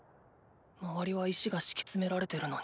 周りは石が敷き詰められてるのに。